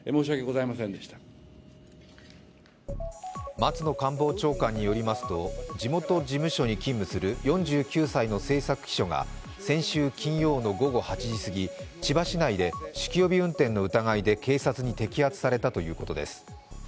松野官房長官によりますと、地元事務所に勤務する４９歳の政策秘書が先週金曜の午後８時過ぎ千葉市内で酒気帯び運転の疑いで警察に摘発されたということです。